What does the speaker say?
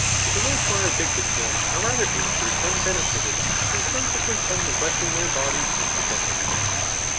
For those who are addicted to them are rather injured than benefited, in consequence of neglecting their bodies and possessions.